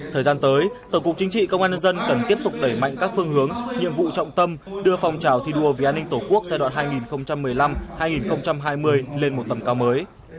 thời gian tới tổng cục chính trị công an nhân dân cần tiếp tục đẩy mạnh các phương hướng nhiệm vụ trọng tâm đưa phong trào thi đua vì an ninh tổ quốc giai đoạn hai nghìn một mươi năm hai nghìn hai mươi lên một tầm cao mới